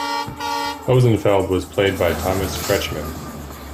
Hosenfeld was played by Thomas Kretschmann.